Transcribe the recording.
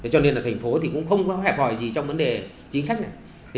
cho nên là thành phố thì cũng không có hẹp hòi gì trong vấn đề chính sách này